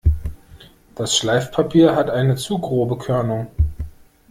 Das Schleifpapier hat eine zu grobe Körnung.